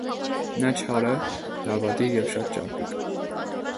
Նա չար է, դավադիր և շատ ճարպիկ։